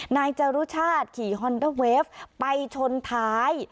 นายจรุชาติขี่ฮอนเดอร์เวฟไปชนท้าย